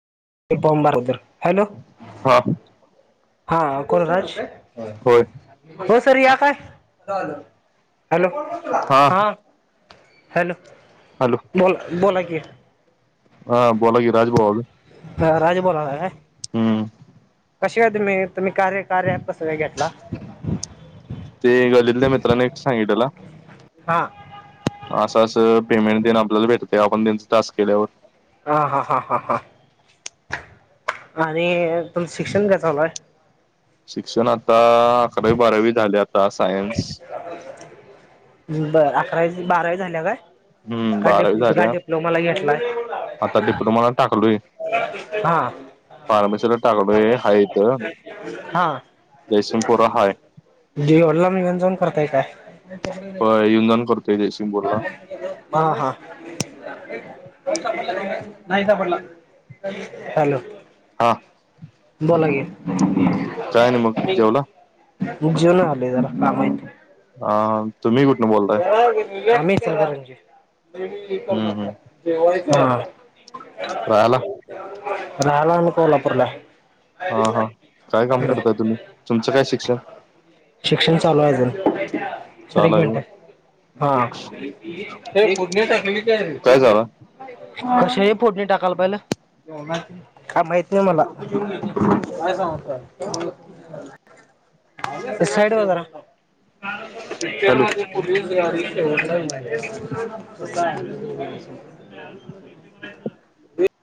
एक फॉर्म भरा अगोदर हॅलो. हा हा कोण राज. होय हो सर या काय हॅलो हा हॅलो. हॅलो. बोला बोला की हा बोला की राज बोला राज बोलालाय काय? हम्म. कशी काय तुम्ही तुम्ही कार्य कार्यत कसं काय घेतला. ते गल्लीतल्या मित्रांने एक सांगितलेला. हा. असं असं पेमेंट तेन आपल्याला भेटते आपण त्यांचं टास्क केल्यावर हा हा हा हा हा आणि तुमचं शिक्षण काय चालू हाय शिक्षण आता अकरावी बारावी झाले आता सायन्स बर अकरावी बारावी झाल्यावर हम्म बारावी काय झाल्या डिप्लोमाला घेतलाय. आता डिप्लोमाला टाकलोय हा. फार्मसीला टाकलोय हा. जयसिमपूरा हाय. तुझ्या वडिलांना घेऊन जाऊन करतय काय होय, येऊन जाऊन करतोय जयसिंगपूर ला हा हा. नाही सापडला, हॅलो. हा बोला की काय नाही मग जेवला? जेऊन आले जरा काम येत. [inaudible] [unintelligible] हा तुम्ही कुठनं बोलताय हम्म हम्म राहायला राहिला ना कोल्हापूरला तुमंच काय शिक्षण? शिक्षण चालू ये अजून सर चालू आहे मिनट हा फोडणी टाकली की काय कश हे फोडणी टाकायला पाहिलं. काय माहिती मला साईड हॅलो व्हा जरा [unintelligible]